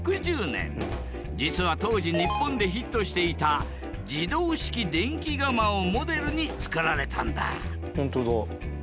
実は当時日本でヒットしていた自動式電気釜をモデルに作られたんだ本当だ。